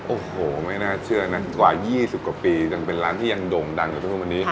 โอ้โหไม่น่าเชื่อนะกว่า๒๐กว่าปียังเป็นร้านที่ยังโด่งดังอยู่ทุกวันนี้